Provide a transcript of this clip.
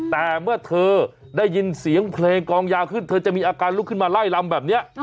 แต่เมื่อเธอได้ยินเสียงเพลงกองยาขึ้นเธอจะมีอาการลุกขึ้นมาไล่ลำแบบนี้